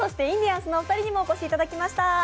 インディアンスのお二人にもお越しいただきました。